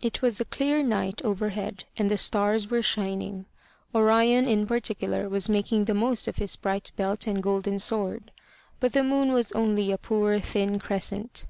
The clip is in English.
It was a clear night overhead, and the stars were shining. Orion in particular was making the most of his bright belt and golden sword. But the moon was only a poor thin crescent.